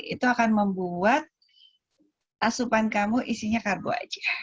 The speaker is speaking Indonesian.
itu akan membuat asupan kamu isinya kargo aja